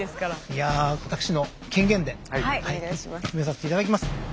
いやあ私の権限で決めさせていただきます。